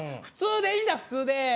普通でいいんだ普通で。